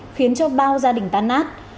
khiến cho bao gia đình tan nát